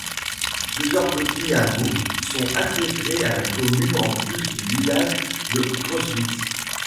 Plusieurs petits hameaux sont intégrés à la commune en plus du village de Crostwitz.